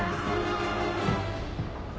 あ！